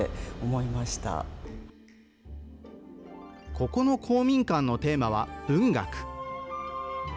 ここの公民館のテーマは文学。